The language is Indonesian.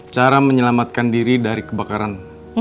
cara menyelamatkan diri dari kebakaran